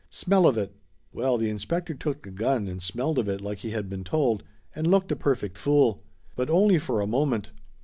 Smell of it!" Well, the inspector took the gun and smelled of it like he had been told, and looked a perfect fool. But only for a moment.